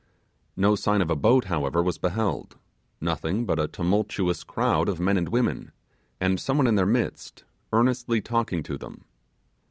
No sign of a boat, however, was beheld, nothing but a tumultuous crowd of men and women, and some one in their midst, earnestly talking to them.